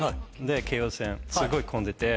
京王線すごい混んでて。